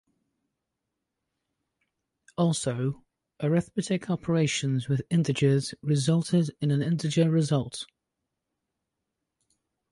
Also, arithmetic operations with integers resulted in an integer result.